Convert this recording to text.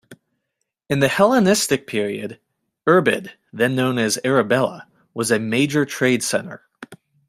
In the Hellenistic period, Irbid, then known as Arabella was a major trade center.